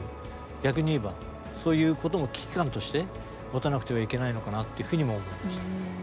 逆に言えばそういうことも危機感として持たなくてはいけないのかなっていうふうにも思いました。